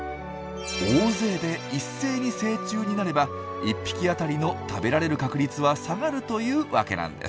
大勢で一斉に成虫になれば一匹あたりの食べられる確率は下がるというわけなんです。